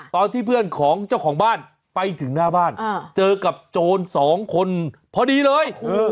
ตอนที่เพื่อนของเจ้าของบ้านไปถึงหน้าบ้านเจอกับโจรสองคนพอดีเลย